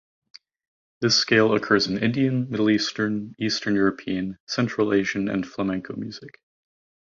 This scale occurs in Indian, Middle Eastern, Eastern European, Central Asian and Flamenco music.